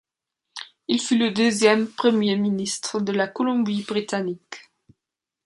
Il fut le deuxième premier ministre de la Colombie-Britannique.